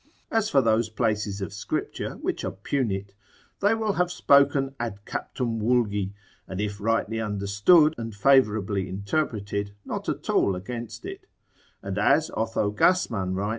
As for those places of Scripture which oppugn it, they will have spoken ad captum vulgi, and if rightly understood, and favourably interpreted, not at all against it; and as Otho Gasman, Astrol.